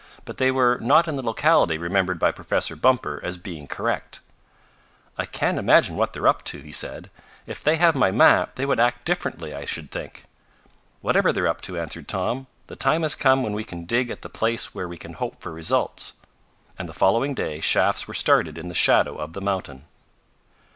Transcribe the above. But they were not in the locality remembered by Professor Bumper as being correct. "I can't imagine what they're up to," he said. "If they have my map they would act differently, I should think." "Whatever they're up to," answered Tom, "the time has come when we can dig at the place where we can hope for results." And the following day shafts were started in the shadow of the mountain.